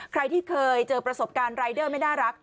ใครที่เคยเจอประสบการณ์รายเดอร์ไม่น่ารัก